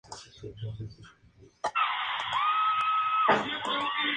La estación de ferrocarril más cercana es la de Nus, en la línea Turín-Aosta.